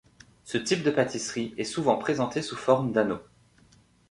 Ce type de pâtisserie est souvent présenté sous forme d'anneaux.